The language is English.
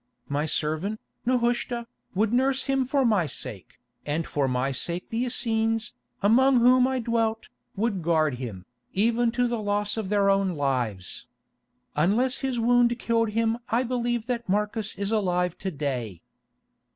My servant, Nehushta, would nurse him for my sake, and for my sake the Essenes, among whom I dwelt, would guard him, even to the loss of their own lives. Unless his wound killed him I believe that Marcus is alive to day."